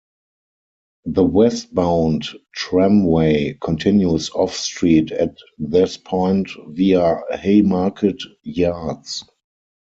The westbound tramway continues off-street at this point via Haymarket Yards.